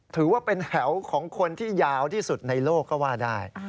ถือว่าเป็นแถวของคนที่ยาวที่สุดในโลกก็ว่าได้